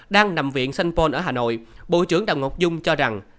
đang nằm viện saint paul ở hà nội bộ trưởng đào ngọc dung cho rằng